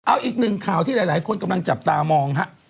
เอาอีกหนึ่งข่าวที่หลายคนกำลังจับตามองฮะ